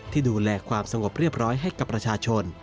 ดูแลความสงบเรียบร้อยให้กับประชาชน